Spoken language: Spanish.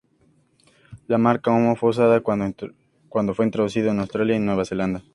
La marca Omo fue usada cuando fue introducido en Australia y Nueva Zelanda.